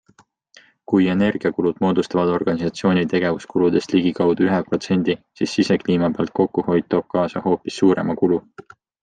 Kui energiakulud moodustavad organisatsiooni tegevuskuludest ligikaudu ühe protsendi, siis sisekliima pealt kokkuhoid toob kaasa hoopis suurema kulu.